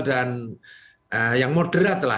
dan yang moderat